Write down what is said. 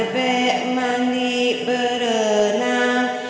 bebek mandi berenang